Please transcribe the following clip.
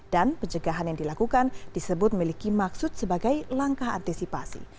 dan penjagaan yang dilakukan disebut miliki maksud sebagai langkah antisipasi